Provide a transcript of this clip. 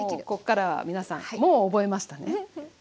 ここからは皆さんもう覚えましたね？